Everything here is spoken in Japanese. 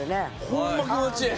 ホンマ気持ちええ。